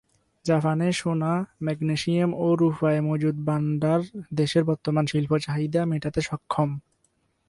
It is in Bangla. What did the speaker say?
জাপানে সোনা, ম্যাগনেসিয়াম ও রূপার মজুদ ভাণ্ডার দেশের বর্তমান শিল্প চাহিদা মেটাতে সক্ষম।